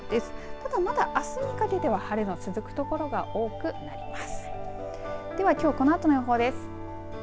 ただまだあすにかけては晴れの続くところが多くなります。